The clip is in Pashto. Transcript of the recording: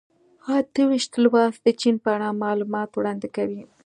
اته ویشتم لوست د چین په اړه معلومات وړاندې کوي.